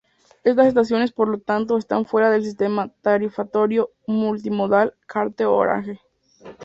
Estas estaciones por lo tanto están fuera del sistema tarifario multimodal "Carte Orange".